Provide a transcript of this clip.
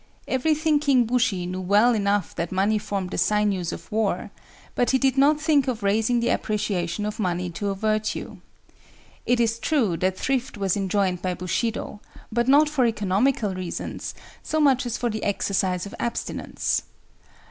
Every thinking bushi knew well enough that money formed the sinews of war; but he did not think of raising the appreciation of money to a virtue. It is true that thrift was enjoined by Bushido, but not for economical reasons so much as for the exercise of abstinence.